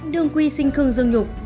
đương quy sinh khương dương nhục